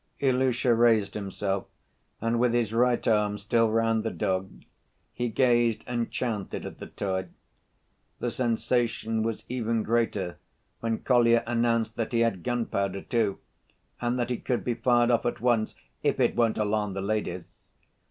Ilusha raised himself, and, with his right arm still round the dog, he gazed enchanted at the toy. The sensation was even greater when Kolya announced that he had gunpowder too, and that it could be fired off at once "if it won't alarm the ladies."